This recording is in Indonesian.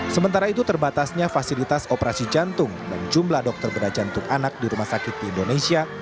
sementara itu terbatasnya fasilitas operasi jantung dan jumlah dokter bedah jantung anak di rumah sakit di indonesia